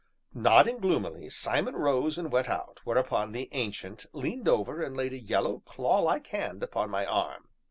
Nodding gloomily, Simon rose and went out, whereupon the Ancient leaned over and laid a yellow, clawlike hand upon my arm.